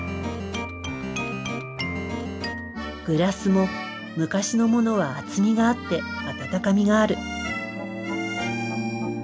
グラスも昔のものは厚みがあって温かみがある。